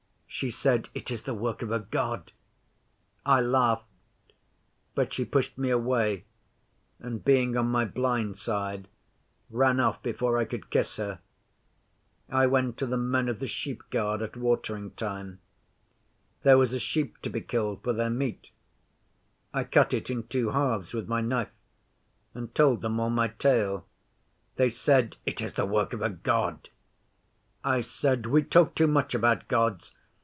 She said, "It is the work of a God." I laughed, but she pushed me away, and being on my blind side, ran off before I could kiss her. I went to the Men of the Sheepguard at watering time. There was a sheep to be killed for their meat. I cut it in two halves with my knife, and told them all my tale. They said, "It is the work of a God." I said, "We talk too much about Gods.